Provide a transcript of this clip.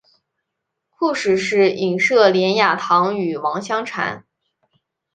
故事是隐射连雅堂与王香禅。